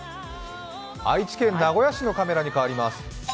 愛知県名古屋市のカメラに変わります。